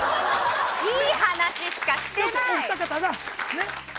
いい話しかしてない！